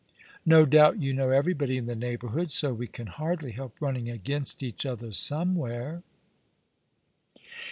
No doubt you know everybody in the neighbourhood, so we can hardly help running against each other somewhere."